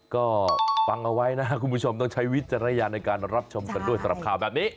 ก็ฟังเอาไว้นะคุณผู้ชมต้องใช้วิจารณญาณในการรับชมกันด้วยสำหรับข่าวแบบนี้